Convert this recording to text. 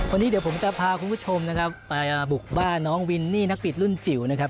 วันนี้เดี๋ยวผมจะพาคุณผู้ชมนะครับมาบุกบ้านน้องวินนี่นักบิดรุ่นจิ๋วนะครับ